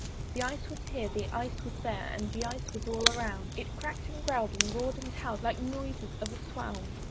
The Ice was here, the Ice was there, The Ice was all around: It crack'd and growl'd, and roar'd and howl'd Like noises of a swound.